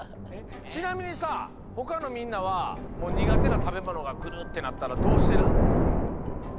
ちなみにさほかのみんなはにがてなたべものがくるってなったらどうしてる？